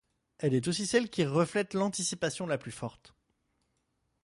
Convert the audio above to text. Elle est aussi celle qui reflète l'anticipation la plus forte.